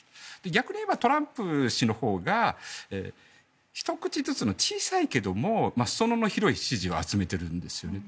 逆にいえばトランプ氏のほうがひと口ずつの小さいけども裾野の広い支持を集めているんですよね。